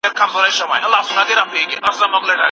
موږ باید د ټولني د لوستلو ذوق ته ښه جهت ورکړو.